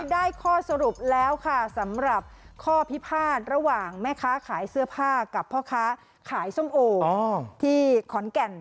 ได้ข้อสรุปแล้วค่ะสำหรับข้อพิพาทระหว่างแม่ค้าขายเสื้อผ้ากับพ่อค้าขายส้มโอที่ขอนแก่น